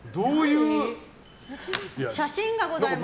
写真がございます。